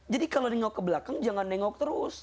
jadi kalau nengok ke belakang jangan nengok terus